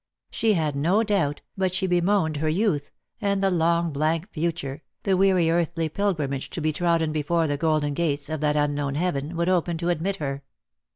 She had no doubt, but she bemoamed her youth, and the long blank future, the weary earthly pilgrimage to be trodden before the golden gates of that unknown heaven would open to admit her.